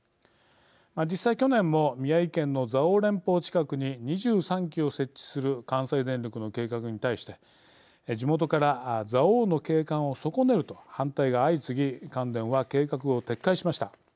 実際、去年も宮城県の蔵王連峰近くに２３基を設置する関西電力の計画に対して地元から蔵王の景観を損ねると反対が相次ぎ関電は計画を撤回しました。